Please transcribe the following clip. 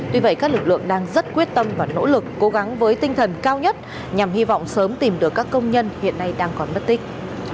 tuy vậy các lực lượng đang rất quyết tâm và nỗ lực cố gắng với tinh thần cao nhất nhằm hy vọng sớm tìm được các công nhân hiện nay đang còn mất tích